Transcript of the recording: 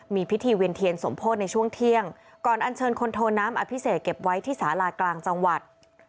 มีพิธีเวียนเทียนสมโพธิในช่วงเที่ยงก่อนอันเชิญคนโทน้ำอภิเษกเก็บไว้ที่สารากลางจังหวัด